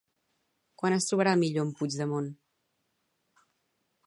Quan es trobarà Millo amb Puigdemont?